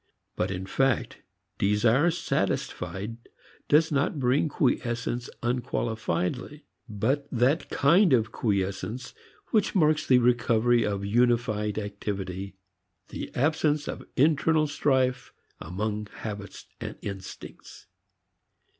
But in fact desire satisfied does not bring quiescence unqualifiedly, but that kind of quiescence which marks the recovery of unified activity: the absence of internal strife among habits and instincts.